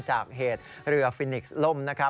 จากเหตุเรือฟินิกซ์ลมนะครับ